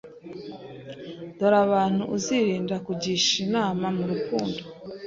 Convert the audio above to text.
Dore abantu uzirinda kugisha inama mu rukundo